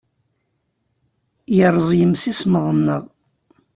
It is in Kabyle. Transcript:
Yerreẓ yemsismeḍ-nneɣ.